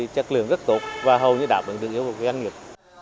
chất lượng rất tốt và hầu như đảm bảo được yêu cầu của doanh nghiệp